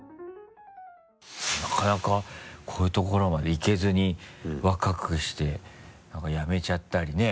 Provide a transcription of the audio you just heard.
なかなかこういうところまでいけずに若くして辞めちゃったりね。